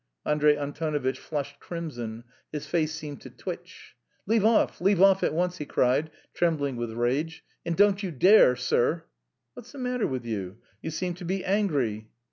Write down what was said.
Andrey Antonovitch flushed crimson; his face seemed to twitch. "Leave off, leave off at once!" he cried, trembling with rage. "And don't you dare... sir..." "What's the matter with you? You seem to be angry!"